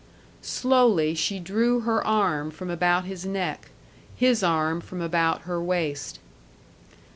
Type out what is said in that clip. Slowly she drew her arm from about his neck, his arm from about her waist.